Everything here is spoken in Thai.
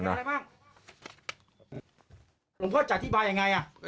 หลวงพ่อจะอธิบายอย่างไร